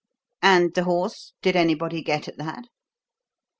"And the horse? Did anybody get at that?"